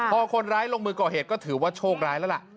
พอคนร้ายลงมือก่อเหตุก็ถือว่าโชคร้ายแล้วล่ะ